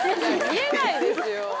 見えないですよ。